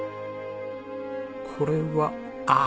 これはあっ！